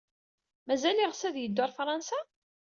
Mazal yeɣs ad yeddu ɣer Fṛansa?